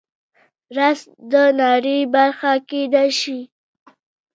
رس د ناري برخه کیدی شي